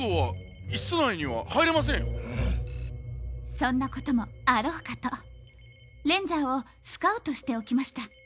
そんなこともあろうかとレンジャーをスカウトしておきました。